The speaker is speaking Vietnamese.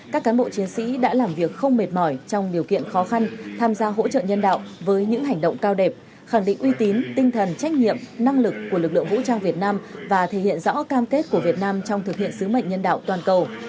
các cán bộ chiến sĩ đã làm việc không mệt mỏi trong điều kiện khó khăn tham gia hỗ trợ nhân đạo với những hành động cao đẹp khẳng định uy tín tinh thần trách nhiệm năng lực của lực lượng vũ trang việt nam và thể hiện rõ cam kết của việt nam trong thực hiện sứ mệnh nhân đạo toàn cầu